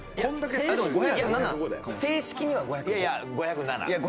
正式には５０５。